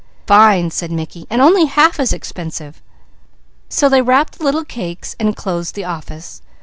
"Fine!" said Mickey, "and only half as expensive." So they wrapped the little cakes and closed the office.